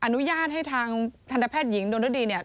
อนุญาตให้ทางทันตแพทย์หญิงดนรดีเนี่ย